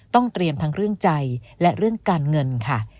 ต้องเตรียมทั้งเรื่องใจและเรื่องการเงินค่ะ